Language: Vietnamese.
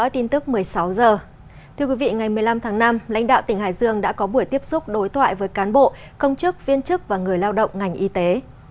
từ tháng năm lãnh đạo tỉnh hải dương đã có buổi tiếp xúc đối thoại với cán bộ công chức viên chức và người lao động ngành y tế